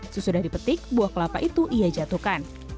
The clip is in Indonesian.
sesudah dipetik buah kelapa itu ia jatuhkan